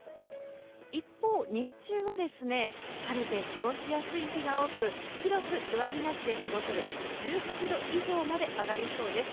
一方、日中は晴れて過ごしやすい日が多く広く上着なしで過ごせる１８度以上まで上がりそうです。